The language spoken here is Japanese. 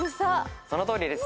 そのとおりです。